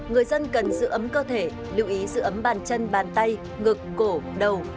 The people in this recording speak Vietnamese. người dân cần giữ ấm cơ thể lưu ý giữ ấm bàn chân bàn tay ngực cổ đầu